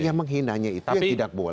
iya menghinanya itu ya tidak boleh